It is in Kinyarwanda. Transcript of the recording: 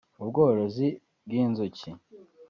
ubworozi bw’inzuki